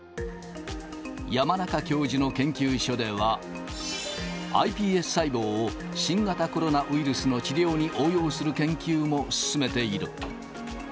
山中教授の研究所では、ｉＰＳ細胞を新型コロナウイルスの治療に応用する研究も進めている。